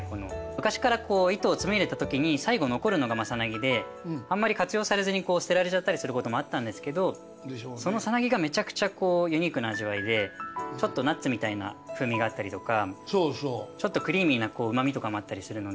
昔からこう糸を紡いでた時に最後残るのがさなぎであんまり活用されずに捨てられちゃったりすることもあったんですけどそのさなぎがめちゃくちゃこうユニークな味わいでちょっとナッツみたいな風味があったりとかちょっとクリーミーなうまみとかもあったりするので。